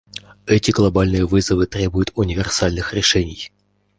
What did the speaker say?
Эти глобальные вызовы требуют универсальных решений.